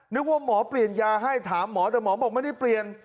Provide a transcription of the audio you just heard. นึกว่าหมอเปลี่ยนยาให้ถามหมอแต่หมอบอกไม่ได้เปลี่ยน